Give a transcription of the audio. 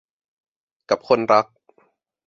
กับคนรัก